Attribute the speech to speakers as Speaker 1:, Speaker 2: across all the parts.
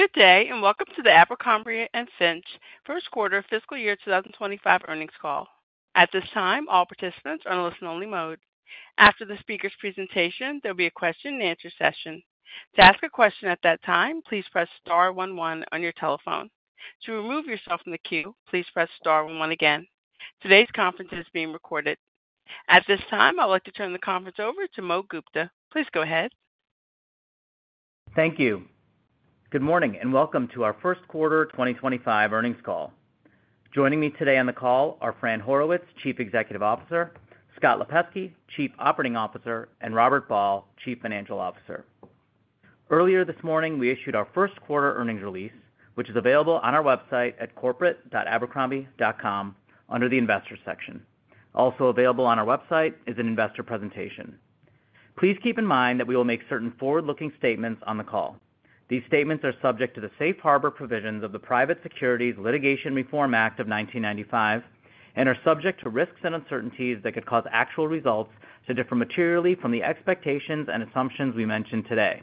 Speaker 1: Good day and welcome to the Abercrombie & Fitch first quarter fiscal year 2025 earnings call. At this time, all participants are in a listen-only mode. After the speaker's presentation, there will be a question-and-answer session. To ask a question at that time, please press star one one on your telephone. To remove yourself from the queue, please press star one one again. Today's conference is being recorded. At this time, I'd like to turn the conference over to Mo Gupta. Please go ahead.
Speaker 2: Thank you. Good morning and welcome to our first quarter 2025 earnings call. Joining me today on the call are Fran Horowitz, Chief Executive Officer; Scott Lipesky, Chief Operating Officer; and Robert Ball, Chief Financial Officer. Earlier this morning, we issued our first quarter earnings release, which is available on our website at corporate.abercrombie.com under the investors section. Also available on our website is an investor presentation. Please keep in mind that we will make certain forward-looking statements on the call. These statements are subject to the safe harbor provisions of the Private Securities Litigation Reform Act of 1995 and are subject to risks and uncertainties that could cause actual results to differ materially from the expectations and assumptions we mentioned today.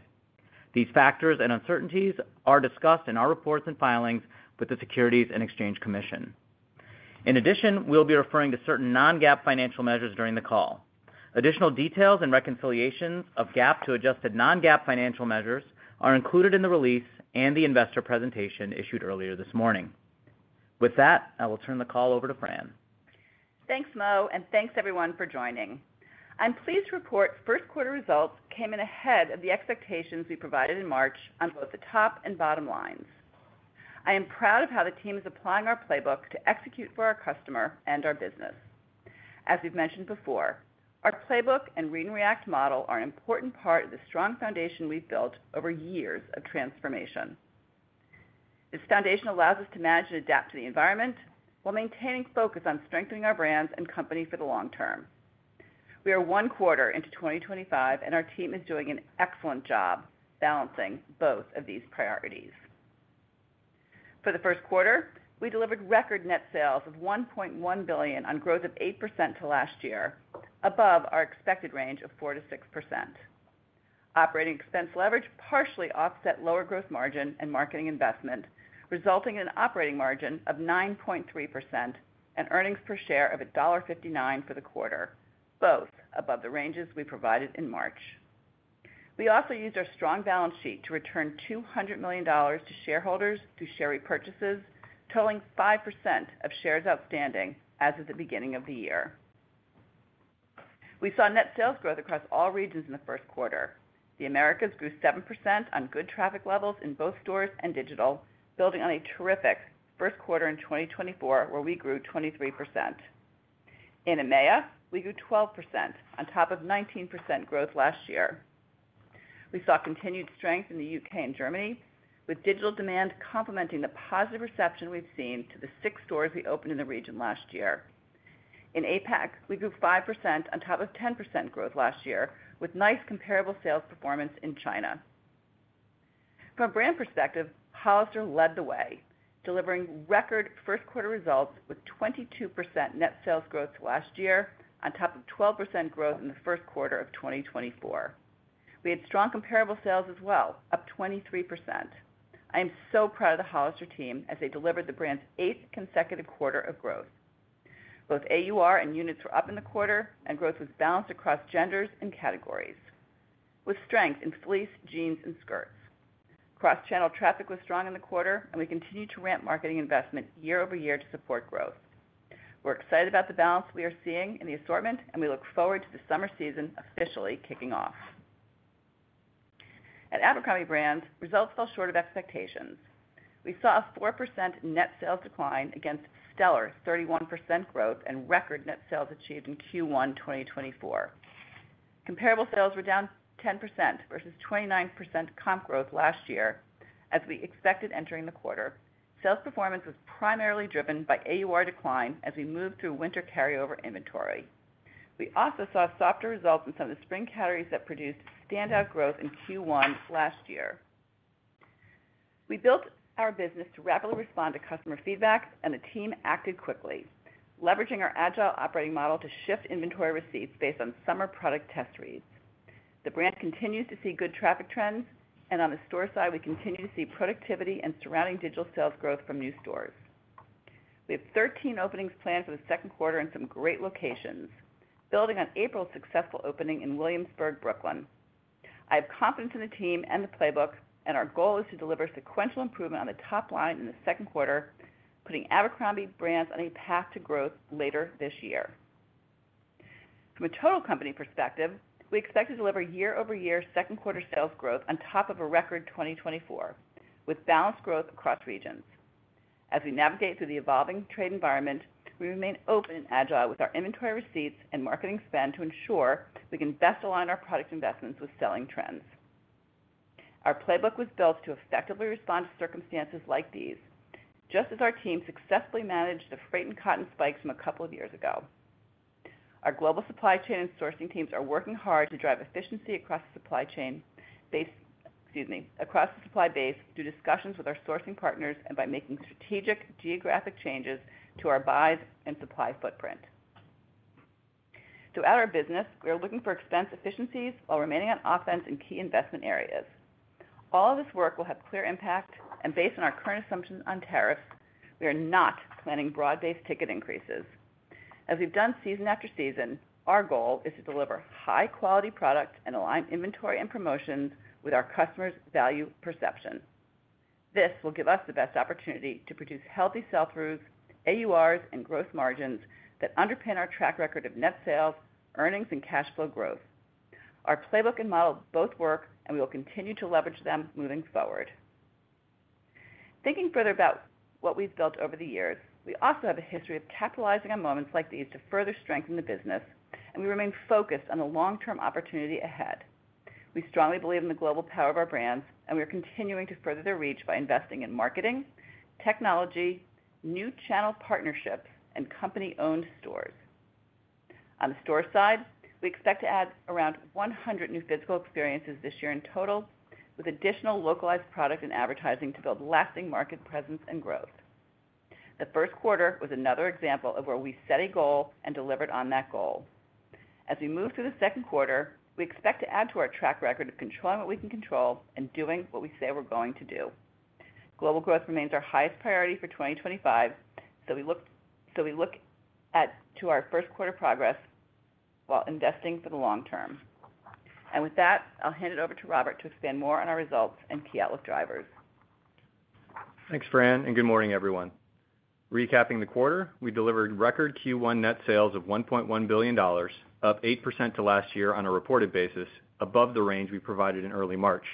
Speaker 2: These factors and uncertainties are discussed in our reports and filings with the Securities and Exchange Commission. In addition, we'll be referring to certain non-GAAP financial measures during the call. Additional details and reconciliations of GAAP to adjusted non-GAAP financial measures are included in the release and the investor presentation issued earlier this morning. With that, I will turn the call over to Fran.
Speaker 3: Thanks, Mo, and thanks everyone for joining. I'm pleased to report first quarter results came in ahead of the expectations we provided in March on both the top and bottom lines. I am proud of how the team is applying our playbook to execute for our customer and our business. As we've mentioned before, our playbook and read and react model are an important part of the strong foundation we've built over years of transformation. This foundation allows us to manage and adapt to the environment while maintaining focus on strengthening our brands and company for the long term. We are one quarter into 2025, and our team is doing an excellent job balancing both of these priorities. For the first quarter, we delivered record net sales of $1.1 billion on growth of 8% to last year, above our expected range of 4%-6%. Operating expense leverage partially offset lower gross margin and marketing investment, resulting in an operating margin of 9.3% and earnings per share of $1.59 for the quarter, both above the ranges we provided in March. We also used our strong balance sheet to return $200 million to shareholders through share repurchases, totaling 5% of shares outstanding as of the beginning of the year. We saw net sales growth across all regions in the first quarter. The Americas grew 7% on good traffic levels in both stores and digital, building on a terrific first quarter in 2024, where we grew 23%. In EMEA, we grew 12% on top of 19% growth last year. We saw continued strength in the U.K. and Germany, with digital demand complementing the positive reception we've seen to the six stores we opened in the region last year. In APAC, we grew 5% on top of 10% growth last year, with nice comparable sales performance in China. From a brand perspective, Hollister led the way, delivering record first quarter results with 22% net sales growth last year on top of 12% growth in the first quarter of 2024. We had strong comparable sales as well, up 23%. I am so proud of the Hollister team as they delivered the brand's eighth consecutive quarter of growth. Both AUR and units were up in the quarter, and growth was balanced across genders and categories, with strength in fleece, jeans, and skirts. Cross-channel traffic was strong in the quarter, and we continued to ramp marketing investment year over year to support growth. We're excited about the balance we are seeing in the assortment, and we look forward to the summer season officially kicking off. At Abercrombie & Fitch, results fell short of expectations. We saw a 4% net sales decline against stellar 31% growth and record net sales achieved in Q1 2024. Comparable sales were down 10% versus 29% comp growth last year, as we expected entering the quarter. Sales performance was primarily driven by AUR decline as we moved through winter carryover inventory. We also saw softer results in some of the spring categories that produced standout growth in Q1 last year. We built our business to rapidly respond to customer feedback, and the team acted quickly, leveraging our agile operating model to shift inventory receipts based on summer product test reads. The brand continues to see good traffic trends, and on the store side, we continue to see productivity and surrounding digital sales growth from new stores. We have 13 openings planned for the second quarter in some great locations, building on April's successful opening in Williamsburg, Brooklyn. I have confidence in the team and the playbook, and our goal is to deliver sequential improvement on the top line in the second quarter, putting Abercrombie & Fitch brands on a path to growth later this year. From a total company perspective, we expect to deliver year-over-year second quarter sales growth on top of a record 2024, with balanced growth across regions. As we navigate through the evolving trade environment, we remain open and agile with our inventory receipts and marketing spend to ensure we can best align our product investments with selling trends. Our playbook was built to effectively respond to circumstances like these, just as our team successfully managed the freight and cotton spikes from a couple of years ago. Our global supply chain and sourcing teams are working hard to drive efficiency across the supply base through discussions with our sourcing partners and by making strategic geographic changes to our buys and supply footprint. Throughout our business, we are looking for expense efficiencies while remaining on offense in key investment areas. All of this work will have clear impact, and based on our current assumptions on tariffs, we are not planning broad-based ticket increases. As we've done season after season, our goal is to deliver high-quality products and align inventory and promotions with our customers' value perception. This will give us the best opportunity to produce healthy sell-throughs, AURs, and gross margins that underpin our track record of net sales, earnings, and cash flow growth. Our playbook and model both work, and we will continue to leverage them moving forward. Thinking further about what we've built over the years, we also have a history of capitalizing on moments like these to further strengthen the business, and we remain focused on the long-term opportunity ahead. We strongly believe in the global power of our brands, and we are continuing to further their reach by investing in marketing, technology, new channel partnerships, and company-owned stores. On the store side, we expect to add around 100 new physical experiences this year in total, with additional localized product and advertising to build lasting market presence and growth. The first quarter was another example of where we set a goal and delivered on that goal. As we move through the second quarter, we expect to add to our track record of controlling what we can control and doing what we say we're going to do. Global growth remains our highest priority for 2025, as we look at our first quarter progress while investing for the long term. With that, I'll hand it over to Robert to expand more on our results and key outlook drivers.
Speaker 4: Thanks, Fran, and good morning, everyone. Recapping the quarter, we delivered record Q1 net sales of $1.1 billion, up 8% to last year on a reported basis, above the range we provided in early March.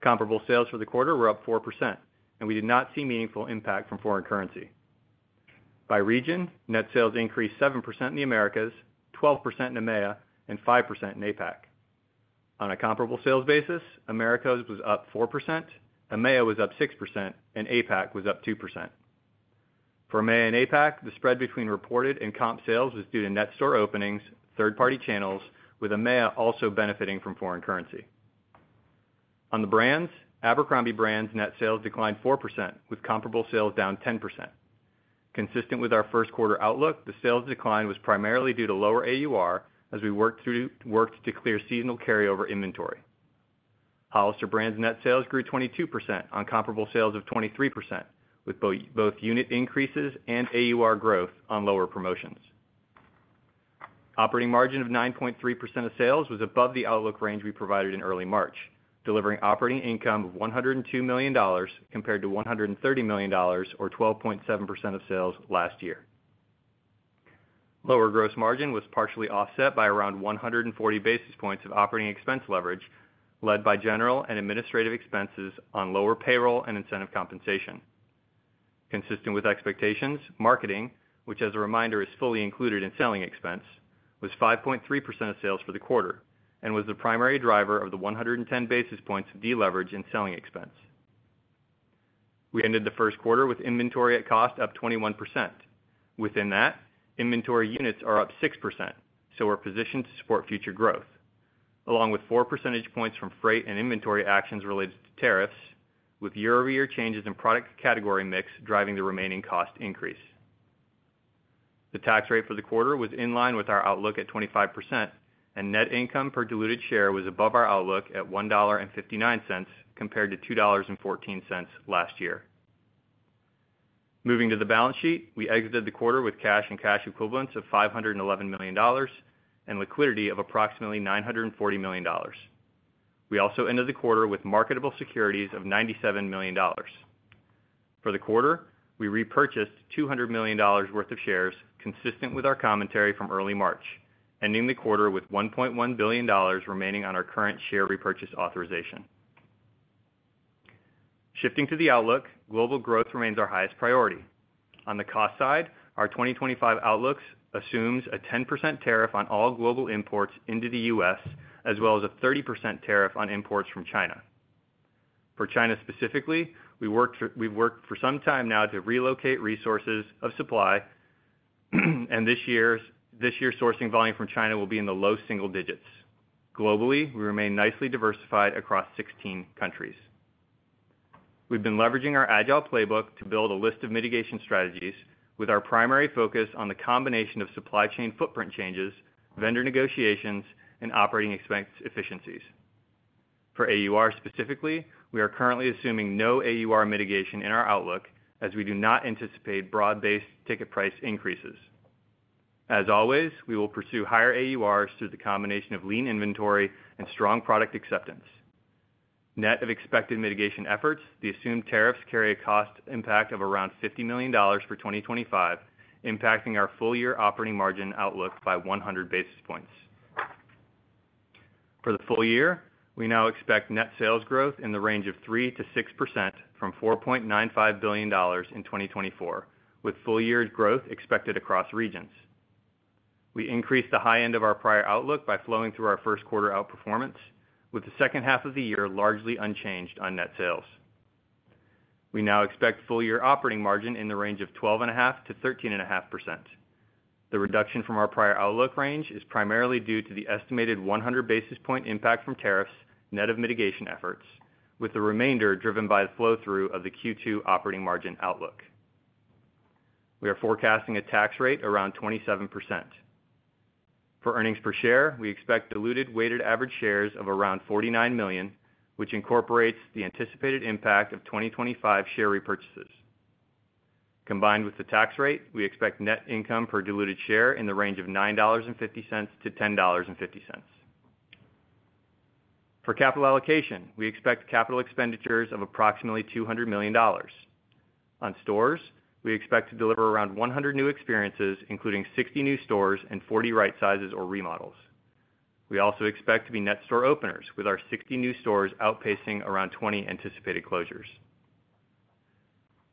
Speaker 4: Comparable sales for the quarter were up 4%, and we did not see meaningful impact from foreign currency. By region, net sales increased 7% in the Americas, 12% in EMEA, and 5% in APAC. On a comparable sales basis, Americas was up 4%, EMEA was up 6%, and APAC was up 2%. For EMEA and APAC, the spread between reported and comp sales was due to net store openings, third-party channels, with EMEA also benefiting from foreign currency. On the brands, Abercrombie & Fitch brand's net sales declined 4%, with comparable sales down 10%. Consistent with our first quarter outlook, the sales decline was primarily due to lower AUR as we worked to clear seasonal carryover inventory. Hollister brand's net sales grew 22% on comparable sales of 23%, with both unit increases and AUR growth on lower promotions. Operating margin of 9.3% of sales was above the outlook range we provided in early March, delivering operating income of $102 million compared to $130 million, or 12.7% of sales last year. Lower gross margin was partially offset by around 140 basis points of operating expense leverage, led by general and administrative expenses on lower payroll and incentive compensation. Consistent with expectations, marketing, which, as a reminder, is fully included in selling expense, was 5.3% of sales for the quarter and was the primary driver of the 110 basis points of deleverage in selling expense. We ended the first quarter with inventory at cost up 21%. Within that, inventory units are up 6%, so we're positioned to support future growth, along with 4 percentage points from freight and inventory actions related to tariffs, with year-over-year changes in product category mix driving the remaining cost increase. The tax rate for the quarter was in line with our outlook at 25%, and net income per diluted share was above our outlook at $1.59 compared to $2.14 last year. Moving to the balance sheet, we exited the quarter with cash and cash equivalents of $511 million and liquidity of approximately $940 million. We also ended the quarter with marketable securities of $97 million. For the quarter, we repurchased $200 million worth of shares, consistent with our commentary from early March, ending the quarter with $1.1 billion remaining on our current share repurchase authorization. Shifting to the outlook, global growth remains our highest priority. On the cost side, our 2025 outlook assumes a 10% tariff on all global imports into the U.S., as well as a 30% tariff on imports from China. For China specifically, we've worked for some time now to relocate resources of supply, and this year's sourcing volume from China will be in the low single digits. Globally, we remain nicely diversified across 16 countries. We've been leveraging our agile playbook to build a list of mitigation strategies, with our primary focus on the combination of supply chain footprint changes, vendor negotiations, and operating expense efficiencies. For AUR specifically, we are currently assuming no AUR mitigation in our outlook, as we do not anticipate broad-based ticket price increases. As always, we will pursue higher AURs through the combination of lean inventory and strong product acceptance. Net of expected mitigation efforts, the assumed tariffs carry a cost impact of around $50 million for 2025, impacting our full-year operating margin outlook by 100 basis points. For the full year, we now expect net sales growth in the range of 3%-6% from $4.95 billion in 2024, with full-year growth expected across regions. We increased the high end of our prior outlook by flowing through our first quarter outperformance, with the second half of the year largely unchanged on net sales. We now expect full-year operating margin in the range of 12.5%-13.5%. The reduction from our prior outlook range is primarily due to the estimated 100 basis point impact from tariffs net of mitigation efforts, with the remainder driven by the flow-through of the Q2 operating margin outlook. We are forecasting a tax rate around 27%. For earnings per share, we expect diluted weighted average shares of around 49 million, which incorporates the anticipated impact of 2025 share repurchases. Combined with the tax rate, we expect net income per diluted share in the range of $9.50-$10.50. For capital allocation, we expect capital expenditures of approximately $200 million. On stores, we expect to deliver around 100 new experiences, including 60 new stores and 40 right sizes or remodels. We also expect to be net store openers, with our 60 new stores outpacing around 20 anticipated closures.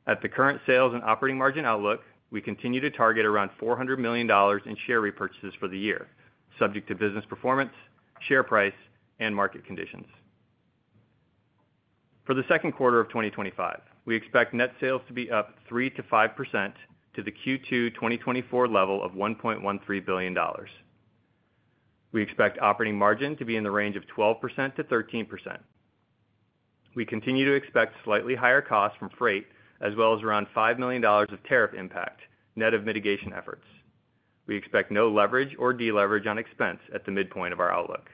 Speaker 4: At the current sales and operating margin outlook, we continue to target around $400 million in share repurchases for the year, subject to business performance, share price, and market conditions. For the second quarter of 2025, we expect net sales to be up 3%-5% to the Q2 2024 level of $1.13 billion. We expect operating margin to be in the range of 12%-13%. We continue to expect slightly higher costs from freight, as well as around $5 million of tariff impact net of mitigation efforts. We expect no leverage or deleverage on expense at the midpoint of our outlook.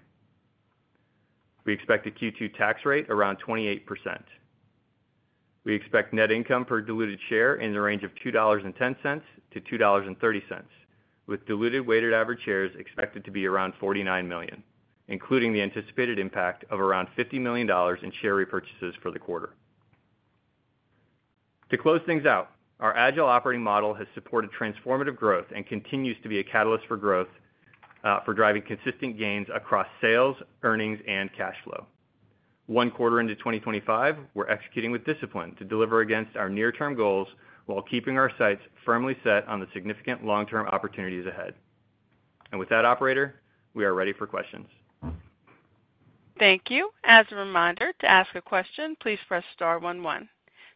Speaker 4: We expect a Q2 tax rate around 28%. We expect net income per diluted share in the range of $2.10-$2.30, with diluted weighted average shares expected to be around 49 million, including the anticipated impact of around $50 million in share repurchases for the quarter. To close things out, our agile operating model has supported transformative growth and continues to be a catalyst for growth, for driving consistent gains across sales, earnings, and cash flow. One quarter into 2025, we're executing with discipline to deliver against our near-term goals while keeping our sights firmly set on the significant long-term opportunities ahead. With that, operator, we are ready for questions.
Speaker 1: Thank you. As a reminder, to ask a question, please press star one one.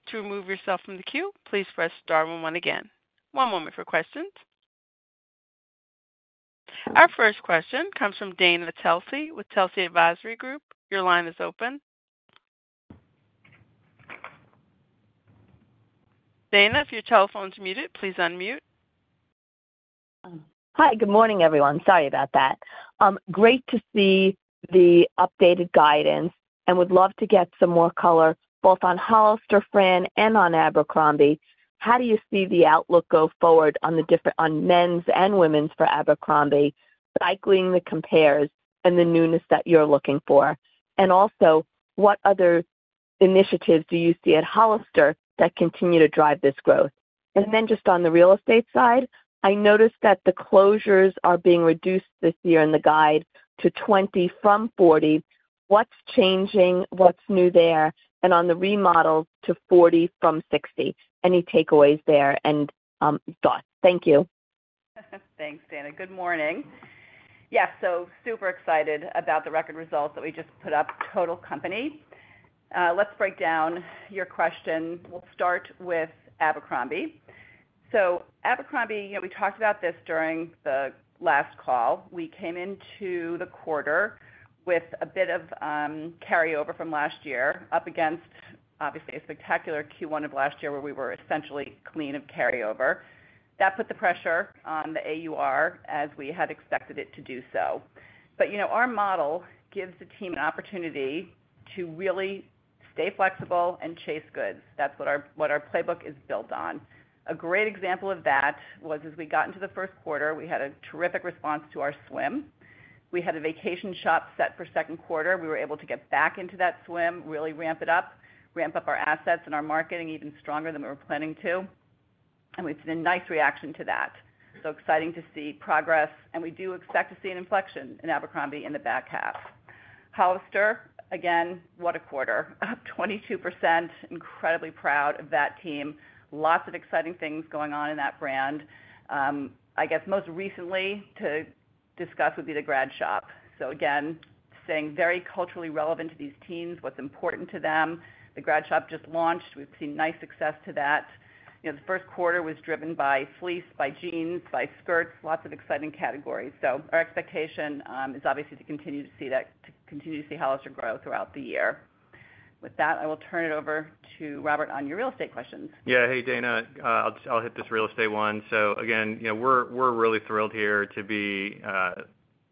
Speaker 1: To remove yourself from the queue, please press star one one again. One moment for questions. Our first question comes from Dana Telsey with Telsey Advisory Group. Your line is open. Dana, if your telephone's muted, please unmute.
Speaker 5: Hi, good morning, everyone. Sorry about that. Great to see the updated guidance and would love to get some more color, both on Hollister, Fran, and on Abercrombie. How do you see the outlook go forward on the different on men's and women's for Abercrombie, cycling the compares and the newness that you're looking for? Also, what other initiatives do you see at Hollister that continue to drive this growth? Just on the real estate side, I noticed that the closures are being reduced this year in the guide to 20 from 40. What's changing? What's new there? On the remodel to 40 from 60, any takeaways there and thoughts? Thank you.
Speaker 3: Thanks, Dana. Good morning. Yes, so super excited about the record results that we just put up, total company. Let's break down your question. We'll start with Abercrombie. So Abercrombie, we talked about this during the last call. We came into the quarter with a bit of carryover from last year, up against, obviously, a spectacular Q1 of last year where we were essentially clean of carryover. That put the pressure on the AUR as we had expected it to do so. But our model gives the team an opportunity to really stay flexible and chase goods. That's what our playbook is built on. A great example of that was as we got into the first quarter, we had a terrific response to our swim. We had a vacation shop set for second quarter. We were able to get back into that swim, really ramp it up, ramp up our assets and our marketing even stronger than we were planning to. We have seen a nice reaction to that. Exciting to see progress, and we do expect to see an inflection in Abercrombie in the back half. Hollister, again, what a quarter, up 22%, incredibly proud of that team. Lots of exciting things going on in that brand. I guess most recently to discuss would be the Gradshop. Again, staying very culturally relevant to these teams, what is important to them. The Gradshop just launched. We have seen nice success to that. The first quarter was driven by fleece, by jeans, by skirts, lots of exciting categories. Our expectation is obviously to continue to see that, to continue to see Hollister grow throughout the year. With that, I will turn it over to Robert on your real estate questions.
Speaker 4: Yeah, hey, Dana. I'll hit this real estate one. Again, we're really thrilled here to be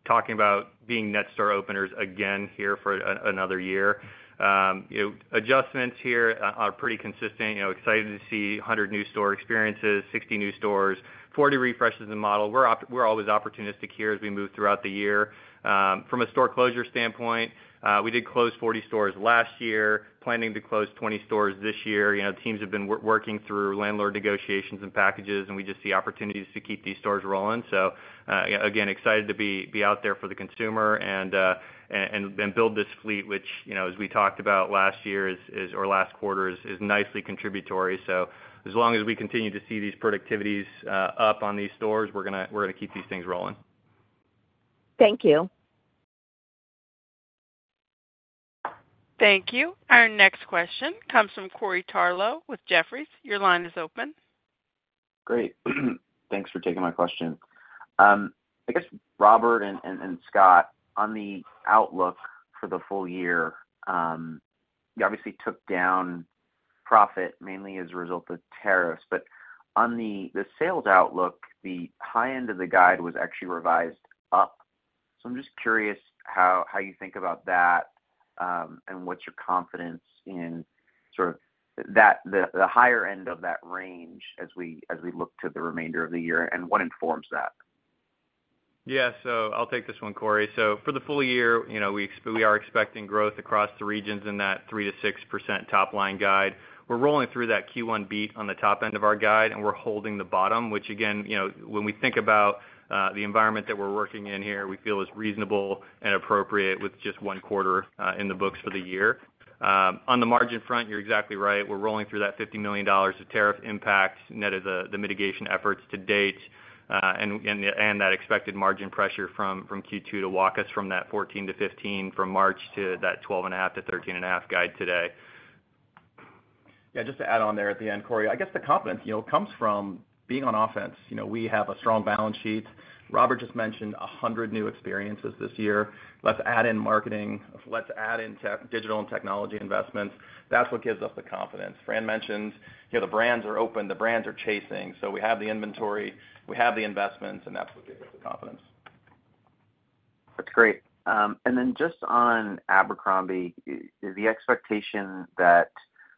Speaker 4: talking about being net store openers again here for another year. Adjustments here are pretty consistent. Excited to see 100 new store experiences, 60 new stores, 40 refreshes of the model. We're always opportunistic here as we move throughout the year. From a store closure standpoint, we did close 40 stores last year, planning to close 20 stores this year. Teams have been working through landlord negotiations and packages, and we just see opportunities to keep these stores rolling. Again, excited to be out there for the consumer and build this fleet, which, as we talked about last year or last quarter, is nicely contributory. As long as we continue to see these productivities up on these stores, we're going to keep these things rolling.
Speaker 5: Thank you.
Speaker 1: Thank you. Our next question comes from Corey Tarlowe with Jefferies. Your line is open.
Speaker 6: Great. Thanks for taking my question. I guess, Robert and Scott, on the outlook for the full year, you obviously took down profit mainly as a result of tariffs. On the sales outlook, the high end of the guide was actually revised up. I'm just curious how you think about that and what's your confidence in sort of the higher end of that range as we look to the remainder of the year and what informs that?
Speaker 4: Yeah, so I'll take this one, Corey. For the full year, we are expecting growth across the regions in that 3%-6% top line guide. We're rolling through that Q1 beat on the top end of our guide, and we're holding the bottom, which, again, when we think about the environment that we're working in here, we feel is reasonable and appropriate with just one quarter in the books for the year. On the margin front, you're exactly right. We're rolling through that $50 million of tariff impact net of the mitigation efforts to date and that expected margin pressure from Q2 to walk us from that 14%-15% from March to that 12.5%-13.5% guide today.
Speaker 7: Yeah, just to add on there at the end, Corey, I guess the confidence comes from being on offense. We have a strong balance sheet. Robert just mentioned 100 new experiences this year. Let's add in marketing. Let's add in digital and technology investments. That's what gives us the confidence. Fran mentioned the brands are open. The brands are chasing. We have the inventory. We have the investments, and that's what gives us the confidence.
Speaker 6: That's great. Just on Abercrombie, the expectation that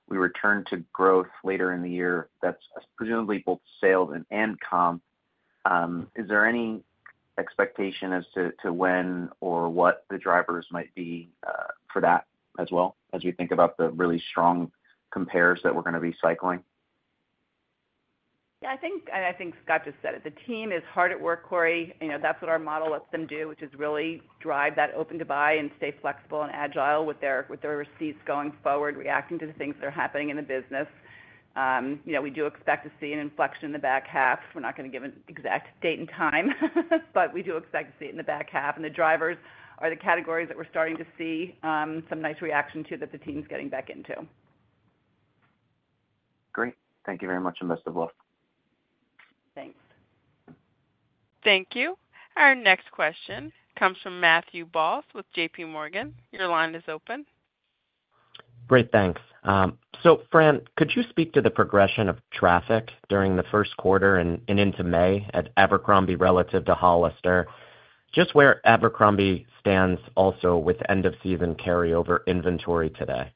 Speaker 6: we return to growth later in the year, that's presumably both sales and comp. Is there any expectation as to when or what the drivers might be for that as well, as we think about the really strong compares that we're going to be cycling?
Speaker 3: Yeah, I think Scott just said it. The team is hard at work, Corey. That's what our model lets them do, which is really drive that open to buy and stay flexible and agile with their receipts going forward, reacting to the things that are happening in the business. We do expect to see an inflection in the back half. We're not going to give an exact date and time, but we do expect to see it in the back half. The drivers are the categories that we're starting to see some nice reaction to that the team's getting back into.
Speaker 6: Great. Thank you very much and best of luck.
Speaker 7: Thanks.
Speaker 1: Thank you. Our next question comes from Matthew Boss with JPMorgan. Your line is open.
Speaker 8: Great. Thanks. Fran, could you speak to the progression of traffic during the first quarter and into May at Abercrombie relative to Hollister? Just where Abercrombie stands also with end-of-season carryover inventory today.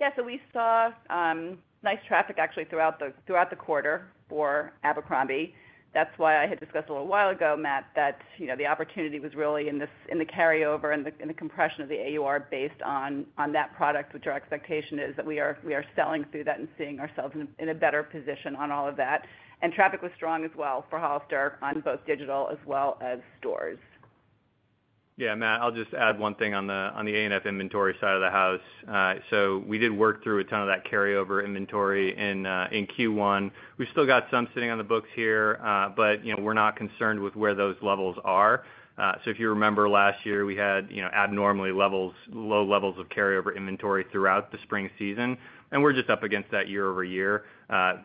Speaker 3: Yeah, so we saw nice traffic actually throughout the quarter for Abercrombie. That is why I had discussed a little while ago, Matt, that the opportunity was really in the carryover and the compression of the AUR based on that product, which our expectation is that we are selling through that and seeing ourselves in a better position on all of that. Traffic was strong as well for Hollister on both digital as well as stores.
Speaker 4: Yeah, Matt, I'll just add one thing on the A&F inventory side of the house. We did work through a ton of that carryover inventory in Q1. We've still got some sitting on the books here, but we're not concerned with where those levels are. If you remember last year, we had abnormally low levels of carryover inventory throughout the spring season. We're just up against that year over year.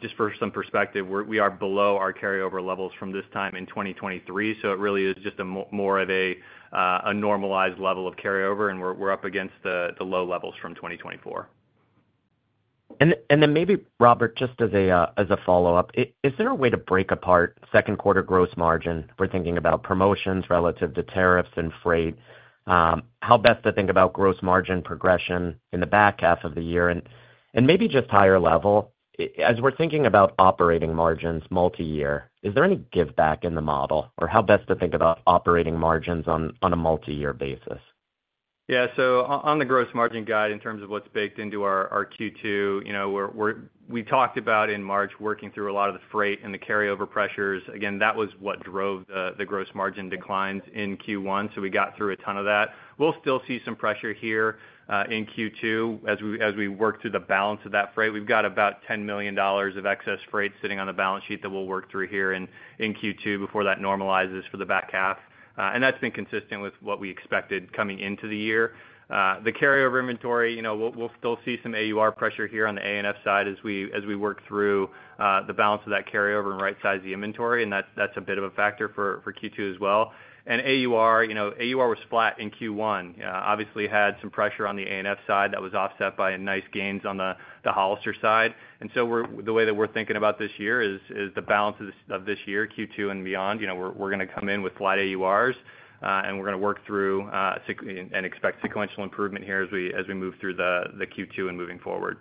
Speaker 4: Just for some perspective, we are below our carryover levels from this time in 2023. It really is just more of a normalized level of carryover, and we're up against the low levels from 2024.
Speaker 8: Maybe, Robert, just as a follow-up, is there a way to break apart second quarter gross margin? We're thinking about promotions relative to tariffs and freight. How best to think about gross margin progression in the back half of the year? Maybe just higher level, as we're thinking about operating margins multi-year, is there any give back in the model? Or how best to think about operating margins on a multi-year basis?
Speaker 4: Yeah, so on the gross margin guide in terms of what's baked into our Q2, we talked about in March working through a lot of the freight and the carryover pressures. Again, that was what drove the gross margin declines in Q1. We got through a ton of that. We'll still see some pressure here in Q2 as we work through the balance of that freight. We've got about $10 million of excess freight sitting on the balance sheet that we'll work through here in Q2 before that normalizes for the back half. That has been consistent with what we expected coming into the year. The carryover inventory, we'll still see some AUR pressure here on the A&F side as we work through the balance of that carryover and right-size the inventory. That's a bit of a factor for Q2 as well. AUR was flat in Q1. Obviously, had some pressure on the A&F side that was offset by nice gains on the Hollister side. The way that we're thinking about this year is the balance of this year, Q2 and beyond. We're going to come in with flat AURs, and we're going to work through and expect sequential improvement here as we move through the Q2 and moving forward.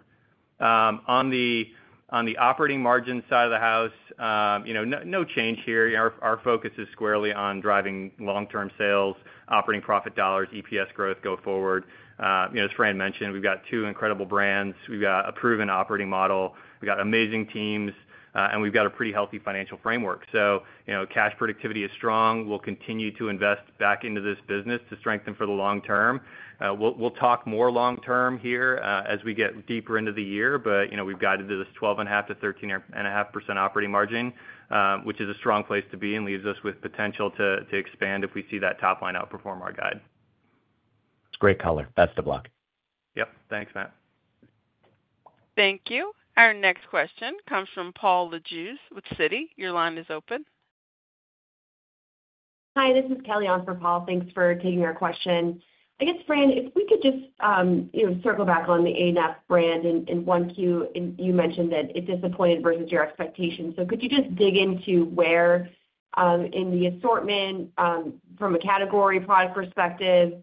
Speaker 4: On the operating margin side of the house, no change here. Our focus is squarely on driving long-term sales, operating profit dollars, EPS growth go forward. As Fran mentioned, we've got two incredible brands. We've got a proven operating model. We've got amazing teams, and we've got a pretty healthy financial framework. Cash productivity is strong. We'll continue to invest back into this business to strengthen for the long term. We'll talk more long term here as we get deeper into the year, but we've got to do this 12.5%-13.5% operating margin, which is a strong place to be and leaves us with potential to expand if we see that top line outperform our guide.
Speaker 8: It's great color. Best of luck.
Speaker 4: Yep. Thanks, Matt.
Speaker 1: Thank you. Our next question comes from Paul Lejeuz with Citi. Your line is open. Hi, this is Kelly on for Paul. Thanks for taking our question. I guess, Fran, if we could just circle back on the A&F brand in 1Q, and you mentioned that it disappointed versus your expectations. Could you just dig into where in the assortment from a category product perspective,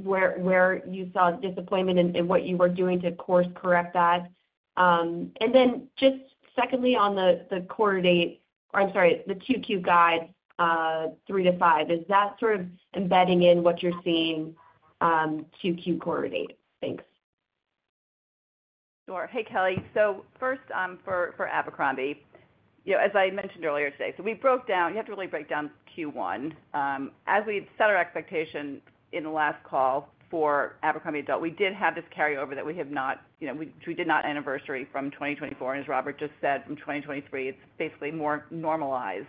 Speaker 1: where you saw disappointment and what you were doing to course correct that? Then just secondly on the quarter date or, I'm sorry, the Q2 guide, three to five, is that sort of embedding in what you're seeing Q2 quarter date? Thanks.
Speaker 3: Sure. Hey, Kelly. First, for Abercrombie, as I mentioned earlier today, we broke down, you have to really break down Q1. As we set our expectation in the last call for Abercrombie Adult, we did have this carryover that we did not anniversary from 2024. As Robert just said, from 2023, it is basically more normalized.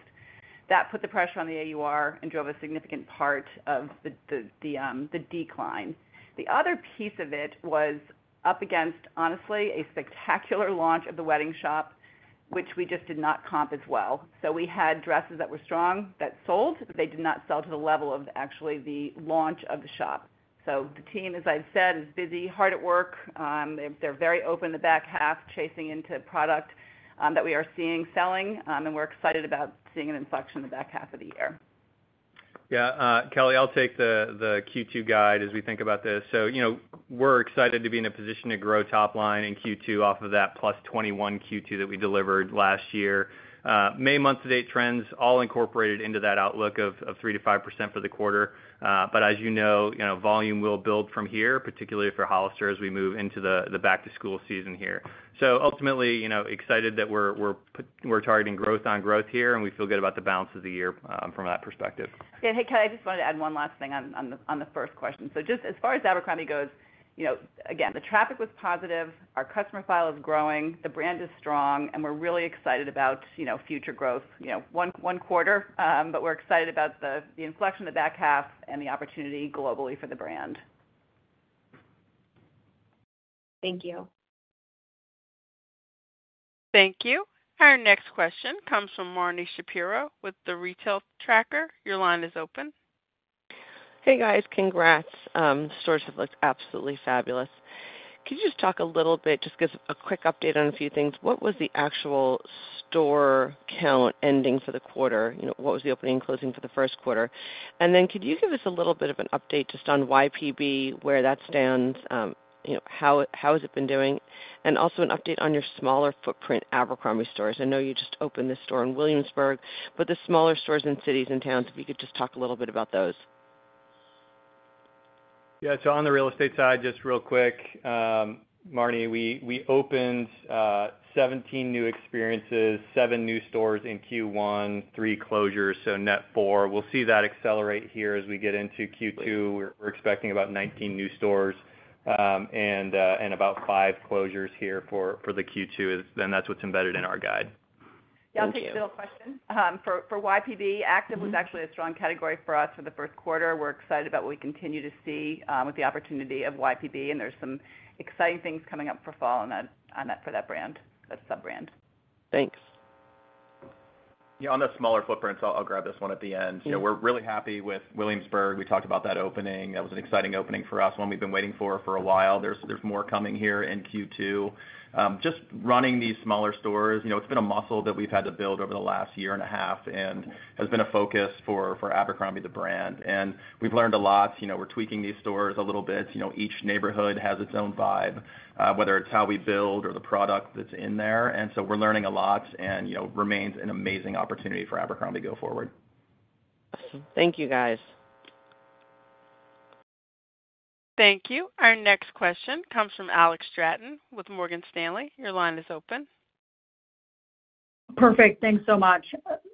Speaker 3: That put the pressure on the AUR and drove a significant part of the decline. The other piece of it was up against, honestly, a spectacular launch of the Wedding Shop, which we just did not comp as well. We had dresses that were strong that sold, but they did not sell to the level of actually the launch of the shop. The team, as I have said, is busy, hard at work. They are very open in the back half, chasing into product that we are seeing selling. We're excited about seeing an inflection in the back half of the year.
Speaker 4: Yeah. Kelly, I'll take the Q2 guide as we think about this. We're excited to be in a position to grow top line in Q2 off of that plus 21 Q2 that we delivered last year. May month-to-date trends all incorporated into that outlook of 3%-5% for the quarter. As you know, volume will build from here, particularly for Hollister as we move into the back-to-school season here. Ultimately, excited that we're targeting growth on growth here, and we feel good about the balance of the year from that perspective.
Speaker 3: Yeah. Hey, Kelly, I just wanted to add one last thing on the first question. Just as far as Abercrombie goes, again, the traffic was positive. Our customer file is growing. The brand is strong, and we're really excited about future growth. One quarter, but we're excited about the inflection of the back half and the opportunity globally for the brand. Thank you.
Speaker 1: Thank you. Our next question comes from Marni Shapiro with The Retail Tracker. Your line is open.
Speaker 9: Hey, guys. Congrats. Stores have looked absolutely fabulous. Could you just talk a little bit, just give a quick update on a few things? What was the actual store count ending for the quarter? What was the opening and closing for the first quarter? Could you give us a little bit of an update just on YPB, where that stands, how has it been doing? Also an update on your smaller footprint Abercrombie stores. I know you just opened this store in Williamsburg, but the smaller stores in cities and towns, if you could just talk a little bit about those.
Speaker 4: Yeah. On the real estate side, just real quick, Marni, we opened 17 new experiences, seven new stores in Q1, three closures, so net four. We'll see that accelerate here as we get into Q2. We're expecting about 19 new stores and about five closures here for Q2. That's what's embedded in our guide.
Speaker 3: Yeah. I'll take a little question. For YPB, active was actually a strong category for us for the first quarter. We're excited about what we continue to see with the opportunity of YPB, and there's some exciting things coming up for fall on that for that brand, that sub-brand. Thanks.
Speaker 2: Yeah. On the smaller footprints, I'll grab this one at the end. We're really happy with Williamsburg. We talked about that opening. That was an exciting opening for us, one we've been waiting for for a while. There's more coming here in Q2. Just running these smaller stores, it's been a muscle that we've had to build over the last year and a half and has been a focus for Abercrombie, the brand. We've learned a lot. We're tweaking these stores a little bit. Each neighborhood has its own vibe, whether it's how we build or the product that's in there. We're learning a lot and it remains an amazing opportunity for Abercrombie to go forward.
Speaker 9: Awesome. Thank you, guys.
Speaker 1: Thank you. Our next question comes from Alex Stratton with Morgan Stanley. Your line is open.
Speaker 10: Perfect. Thanks so much.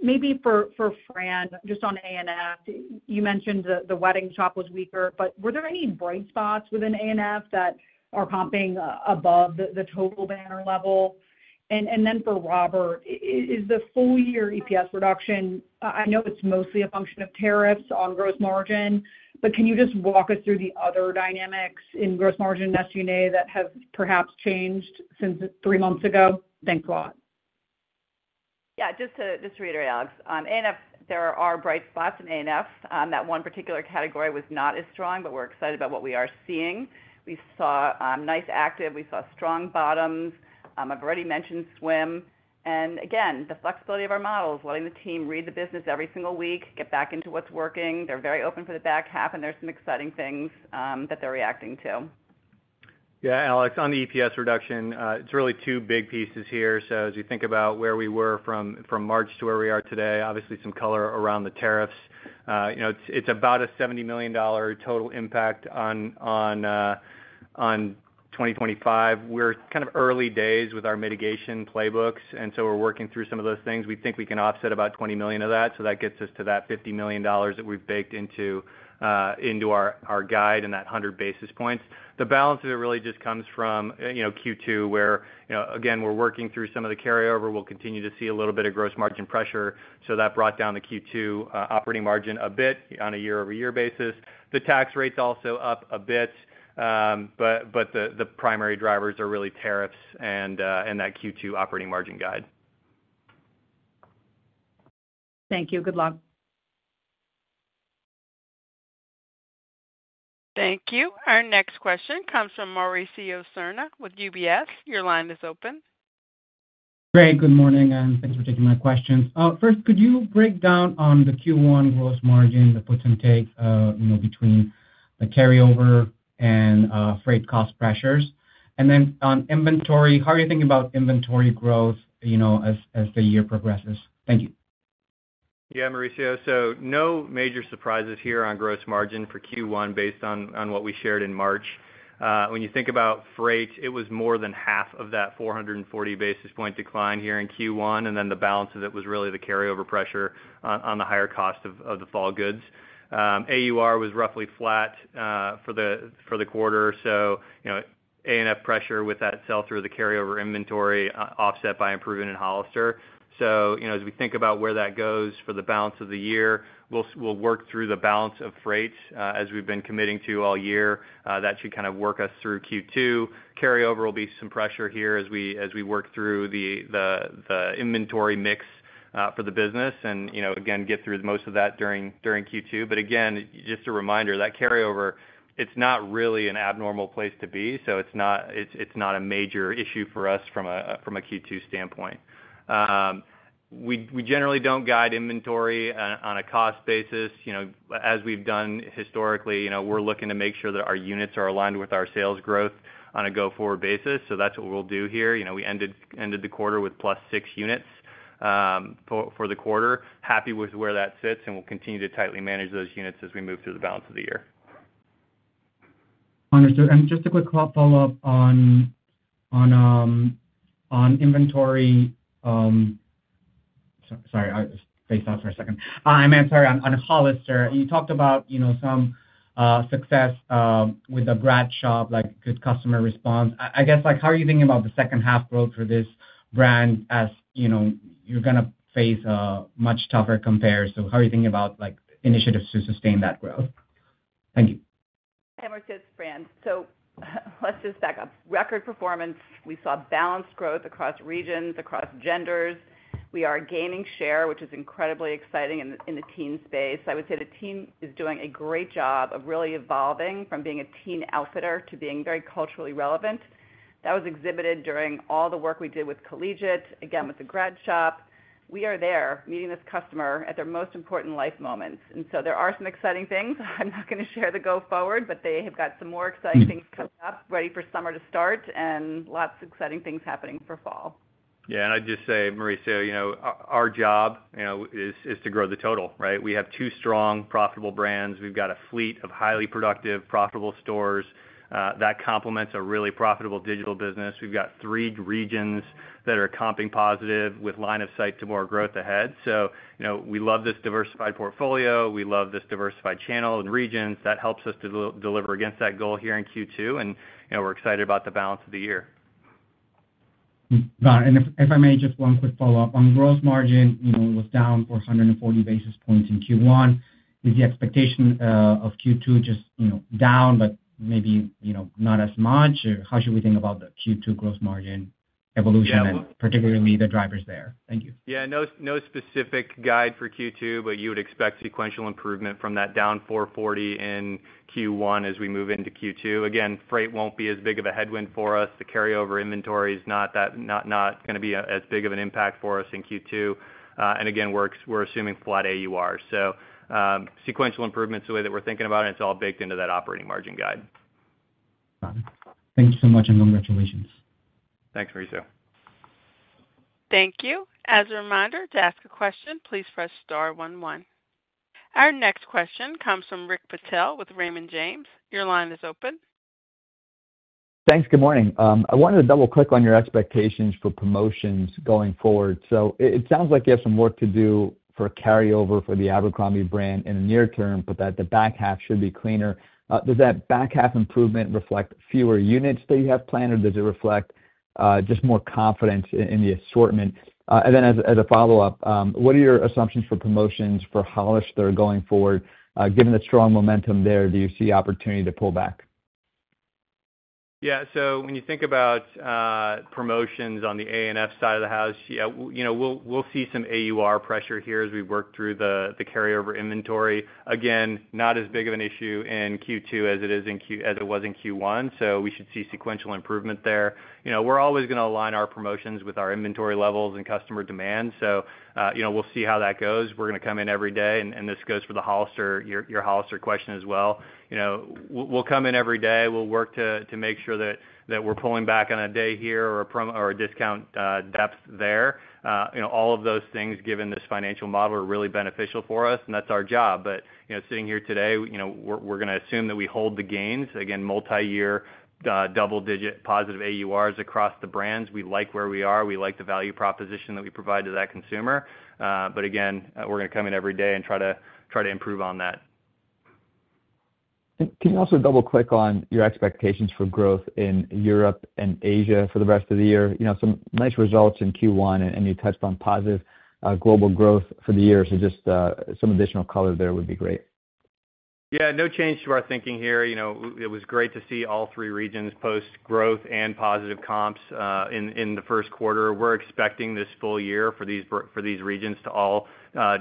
Speaker 10: Maybe for Fran, just on A&F, you mentioned the Wedding Shop was weaker, but were there any bright spots within A&F that are comping above the total banner level? For Robert, is the full-year EPS reduction, I know it's mostly a function of tariffs on gross margin, but can you just walk us through the other dynamics in gross margin and SG&A that have perhaps changed since three months ago? Thanks a lot.
Speaker 3: Yeah. Just to reiterate, Alex, A&F, there are bright spots in A&F. That one particular category was not as strong, but we're excited about what we are seeing. We saw nice active. We saw strong bottoms. I've already mentioned swim. Again, the flexibility of our models, letting the team read the business every single week, get back into what's working. They're very open for the back half, and there's some exciting things that they're reacting to.
Speaker 4: Yeah. Alex, on the EPS reduction, it's really two big pieces here. As you think about where we were from March to where we are today, obviously some color around the tariffs. It's about a $70 million total impact on 2025. We're kind of early days with our mitigation playbooks, and we're working through some of those things. We think we can offset about $20 million of that. That gets us to that $50 million that we've baked into our guide and that 100 basis points. The balance of it really just comes from Q2, where, again, we're working through some of the carryover. We'll continue to see a little bit of gross margin pressure. That brought down the Q2 operating margin a bit on a year-over-year basis. The tax rate's also up a bit, but the primary drivers are really tariffs and that Q2 operating margin guide.
Speaker 10: Thank you. Good luck.
Speaker 1: Thank you. Our next question comes from Mauricio Serna with UBS. Your line is open.
Speaker 11: Great. Good morning, and thanks for taking my questions. First, could you break down on the Q1 gross margin, the puts and takes between the carryover and freight cost pressures? And then on inventory, how are you thinking about inventory growth as the year progresses? Thank you.
Speaker 4: Yeah, Mauricio. No major surprises here on gross margin for Q1 based on what we shared in March. When you think about freight, it was more than half of that 440 basis point decline here in Q1. The balance of it was really the carryover pressure on the higher cost of the fall goods. AUR was roughly flat for the quarter. A&F pressure with that sell-through of the carryover inventory offset by improving in Hollister. As we think about where that goes for the balance of the year, we'll work through the balance of freight as we've been committing to all year. That should kind of work us through Q2. Carryover will be some pressure here as we work through the inventory mix for the business and, again, get through most of that during Q2. Again, just a reminder, that carryover, it's not really an abnormal place to be. It's not a major issue for us from a Q2 standpoint. We generally do not guide inventory on a cost basis. As we have done historically, we are looking to make sure that our units are aligned with our sales growth on a go-forward basis. That is what we will do here. We ended the quarter with plus six units for the quarter. Happy with where that sits, and we will continue to tightly manage those units as we move through the balance of the year.
Speaker 11: Understood. And just a quick follow-up on inventory. Sorry, I just spaced off for a second. I meant, sorry, on Hollister. You talked about some success with the Gradshop, good customer response. I guess, how are you thinking about the second-half growth for this brand as you're going to face a much tougher compare? So how are you thinking about initiatives to sustain that growth? Thank you.
Speaker 3: Hey, Mauricio. It's Fran. Let's just back up. Record performance. We saw balanced growth across regions, across genders. We are gaining share, which is incredibly exciting in the teen space. I would say the team is doing a great job of really evolving from being a teen outfitter to being very culturally relevant. That was exhibited during all the work we did with Collegiate, again, with the Gradshop. We are there meeting this customer at their most important life moments. There are some exciting things. I'm not going to share the go-forward, but they have got some more exciting things coming up, ready for summer to start, and lots of exciting things happening for fall.
Speaker 4: Yeah. I'd just say, Mauricio, our job is to grow the total, right? We have two strong, profitable brands. We've got a fleet of highly productive, profitable stores that complements a really profitable digital business. We've got three regions that are comping positive with line of sight to more growth ahead. We love this diversified portfolio. We love this diversified channel and regions. That helps us to deliver against that goal here in Q2, and we're excited about the balance of the year.
Speaker 11: If I may, just one quick follow-up. On gross margin, it was down 440 basis points in Q1. Is the expectation of Q2 just down, but maybe not as much? How should we think about the Q2 gross margin evolution, and particularly the drivers there? Thank you.
Speaker 4: Yeah. No specific guide for Q2, but you would expect sequential improvement from that down 440 in Q1 as we move into Q2. Again, freight will not be as big of a headwind for us. The carryover inventory is not going to be as big of an impact for us in Q2. Again, we are assuming flat AUR. Sequential improvement is the way that we are thinking about it, and it is all baked into that operating margin guide.
Speaker 11: Got it. Thank you so much, and congratulations.
Speaker 4: Thanks, Mauricio.
Speaker 1: Thank you. As a reminder, to ask a question, please press star one one. Our next question comes from Rick Patel with Raymond James. Your line is open.
Speaker 12: Thanks. Good morning. I wanted to double-click on your expectations for promotions going forward. It sounds like you have some work to do for carryover for the Abercrombie brand in the near term, but that the back half should be cleaner. Does that back half improvement reflect fewer units that you have planned, or does it reflect just more confidence in the assortment? As a follow-up, what are your assumptions for promotions for Hollister going forward? Given the strong momentum there, do you see opportunity to pull back?
Speaker 4: Yeah. So when you think about promotions on the A&F side of the house, yeah, we'll see some AUR pressure here as we work through the carryover inventory. Again, not as big of an issue in Q2 as it was in Q1. We should see sequential improvement there. We're always going to align our promotions with our inventory levels and customer demand. We'll see how that goes. We're going to come in every day, and this goes for your Hollister question as well. We'll come in every day. We'll work to make sure that we're pulling back on a day here or a discount depth there. All of those things, given this financial model, are really beneficial for us, and that's our job. Sitting here today, we're going to assume that we hold the gains. Again, multi-year, double-digit positive AURs across the brands. We like where we are. We like the value proposition that we provide to that consumer. Again, we're going to come in every day and try to improve on that.
Speaker 12: Can you also double-click on your expectations for growth in Europe and Asia for the rest of the year? Some nice results in Q1, and you touched on positive global growth for the year. Just some additional color there would be great.
Speaker 4: Yeah. No change to our thinking here. It was great to see all three regions post growth and positive comps in the first quarter. We're expecting this full year for these regions to all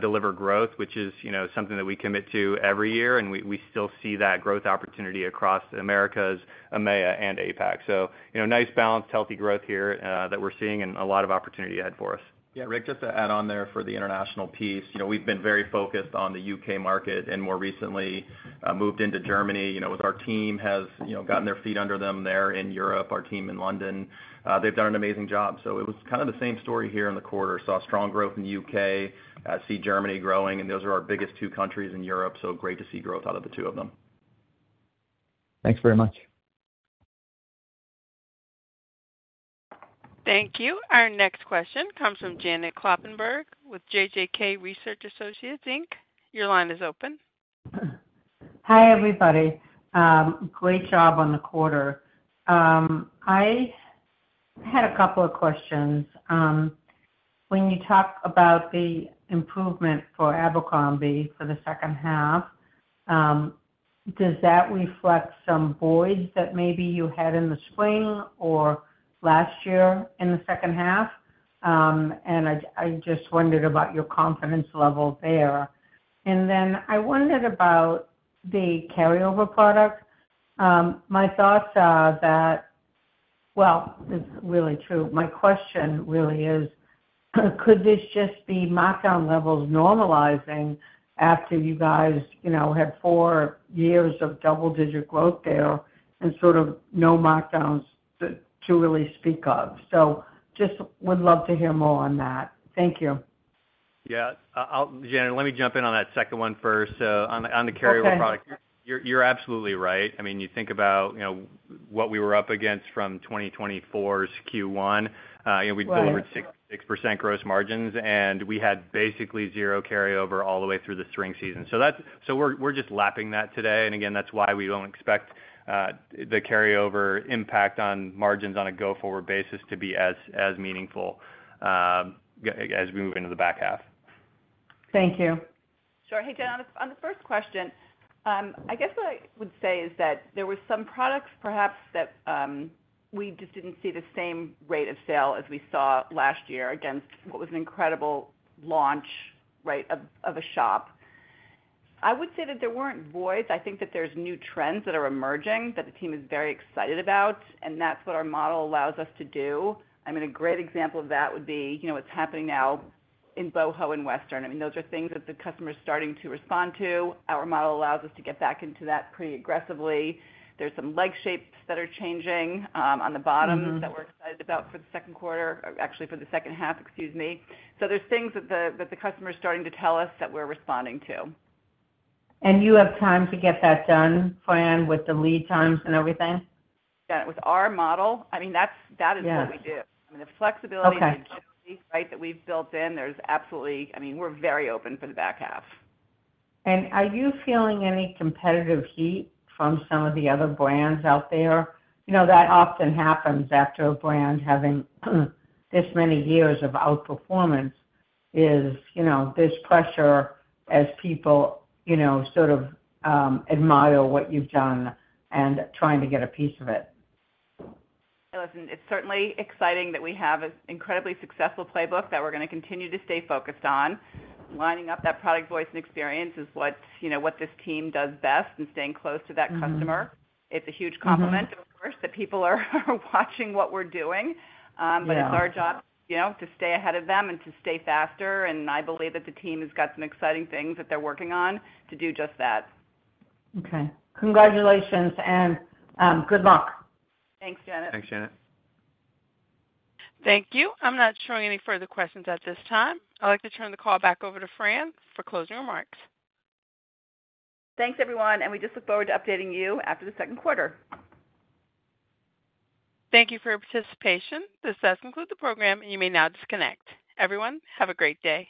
Speaker 4: deliver growth, which is something that we commit to every year, and we still see that growth opportunity across Americas, EMEA, and APAC. Nice balanced, healthy growth here that we're seeing and a lot of opportunity ahead for us.
Speaker 7: Yeah. Rick, just to add on there for the international piece, we've been very focused on the U.K. market and more recently moved into Germany. Our team has gotten their feet under them there in Europe, our team in London. They've done an amazing job. It was kind of the same story here in the quarter. Saw strong growth in the U.K., see Germany growing, and those are our biggest two countries in Europe. Great to see growth out of the two of them.
Speaker 12: Thanks very much.
Speaker 1: Thank you. Our next question comes from Janet Kloppenberg with JJK Research Associates. Your line is open.
Speaker 13: Hi, everybody. Great job on the quarter. I had a couple of questions. When you talk about the improvement for Abercrombie for the second half, does that reflect some voids that maybe you had in the spring or last year in the second half? I just wondered about your confidence level there. I wondered about the carryover product. My thoughts are that, well, it's really true. My question really is, could this just be markdown levels normalizing after you guys had four years of double-digit growth there and sort of no markdowns to really speak of? Just would love to hear more on that. Thank you.
Speaker 4: Yeah. Janet, let me jump in on that second one first. On the carryover product, you're absolutely right. I mean, you think about what we were up against from 2024's Q1. We delivered 66% gross margins, and we had basically zero carryover all the way through the spring season. We're just lapping that today. Again, that's why we do not expect the carryover impact on margins on a go-forward basis to be as meaningful as we move into the back half.
Speaker 13: Thank you.
Speaker 3: Sure. Hey, Jen, on the first question, I guess what I would say is that there were some products perhaps that we just did not see the same rate of sale as we saw last year against what was an incredible launch, right, of a shop. I would say that there were not voids. I think that there are new trends that are emerging that the team is very excited about, and that is what our model allows us to do. I mean, a great example of that would be what is happening now in Boho and Western. I mean, those are things that the customer is starting to respond to. Our model allows us to get back into that pretty aggressively. There are some leg shapes that are changing on the bottoms that we are excited about for the second quarter, or actually for the second half, excuse me. There's things that the customer is starting to tell us that we're responding to.
Speaker 13: You have time to get that done, Fran, with the lead times and everything?
Speaker 3: Yeah. With our model, I mean, that is what we do. I mean, the flexibility and agility, right, that we've built in, there's absolutely, I mean, we're very open for the back half.
Speaker 13: Are you feeling any competitive heat from some of the other brands out there? That often happens after a brand having this many years of outperformance. Is this pressure as people sort of admire what you've done and trying to get a piece of it?
Speaker 3: It's certainly exciting that we have an incredibly successful playbook that we're going to continue to stay focused on. Lining up that product voice and experience is what this team does best in staying close to that customer. It's a huge compliment, of course, that people are watching what we're doing. It is our job to stay ahead of them and to stay faster. I believe that the team has got some exciting things that they're working on to do just that.
Speaker 13: Okay. Congratulations and good luck.
Speaker 3: Thanks, Janet.
Speaker 4: Thanks, Janet.
Speaker 1: Thank you. I'm not showing any further questions at this time. I'd like to turn the call back over to Fran for closing remarks.
Speaker 7: Thanks, everyone. We just look forward to updating you after the second quarter.
Speaker 1: Thank you for your participation. This has concluded the program, and you may now disconnect. Everyone, have a great day.